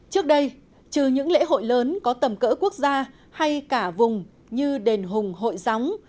trước đây trừ những lễ hội lớn có tầm cỡ quốc gia hay cả vùng như đền hùng hội gióng